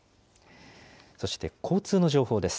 そして交通の情報です。